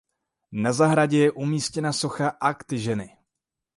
Na zahradě je umístěna socha Akt ženy.